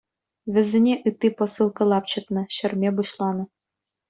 Вӗсене ытти посылка лапчӑтнӑ, ҫӗрме пуҫланӑ.